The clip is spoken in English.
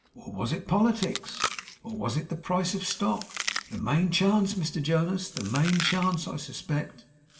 'Or was it politics? Or was it the price of stock? The main chance, Mr Jonas, the main chance, I suspect.